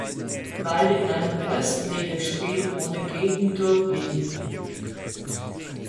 Mal in einem Erstligaspiel ohne Gegentor blieb.